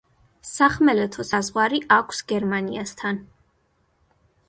სახმელეთო საზღვარი აქვს გერმანიასთან.